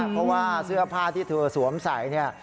เพราะว่าเสื้อผ้าที่สวมใสนี่